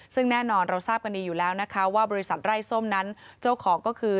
ซึ่งแน่นอนเราทราบกันดีอยู่แล้วนะคะว่าบริษัทไร้ส้มนั้นเจ้าของก็คือ